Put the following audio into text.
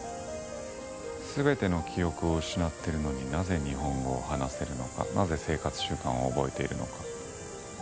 全ての記憶を失っているのになぜ日本語を話せるのかなぜ生活習慣を覚えているのか。